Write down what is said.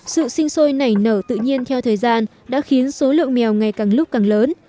sự sinh sôi nảy nở tự nhiên theo thời gian đã khiến số lượng mèo ngày càng lúc càng lớn